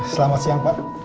selamat siang pak